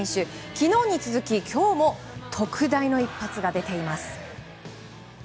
昨日に続き今日も特大の一発が出ています。